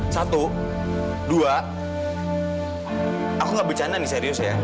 satu dua aku gak bercanda nih serius ya